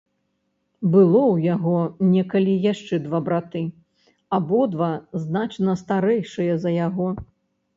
Было ў яго некалі яшчэ два браты, абодва значна старэйшыя за яго.